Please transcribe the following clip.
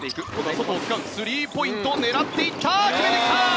外スリーポイントを狙っていった決めてきた！